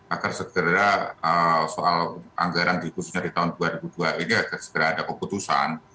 agar segera soal anggaran khususnya di tahun dua ribu dua ini agar segera ada keputusan